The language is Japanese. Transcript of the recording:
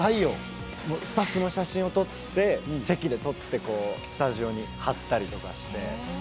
スタッフの写真を撮って、チェキで撮ってスタジオに貼ったりとかして。